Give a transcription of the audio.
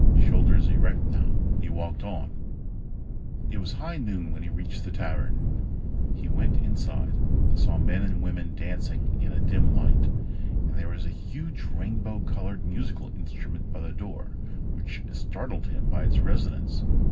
Shoulders erect now, he walked on ... It was high noon when he reached the tavern. He went inside, saw men and women dancing in a dim light, and there was a huge, rainbow colored musical instrument by the door which startled him by its resonance.